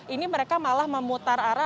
ini mereka malah memutar arah